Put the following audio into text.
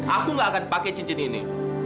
aku gak akan pakai cincin ini